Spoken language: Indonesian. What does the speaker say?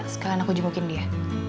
sekalian aku jemukin dia